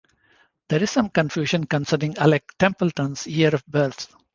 There is some confusion concerning Alec Templeton's year of birth.